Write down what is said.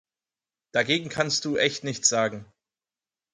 Dagegen kannst du echt nichts sagen.